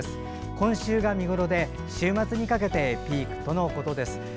今週が見頃で週末にかけてピークとのことです。